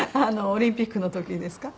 オリンピックの時ですか？